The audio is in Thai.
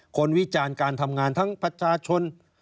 วิจารณ์การทำงานทั้งประชาชน